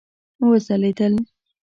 وځلیدل